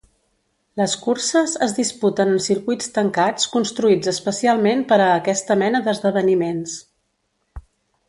Les curses es disputen en circuits tancats construïts especialment per a aquesta mena d'esdeveniments.